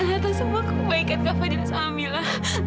atas semua kebaikan kak fadil sama mila